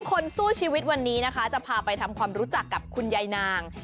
คนสู้ชีวิตวันนี้นะคะจะพาไปทำความรู้จักกับคุณยายนาง